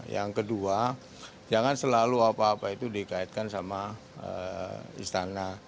yang kedua jangan selalu apa apa itu dikaitkan sama istana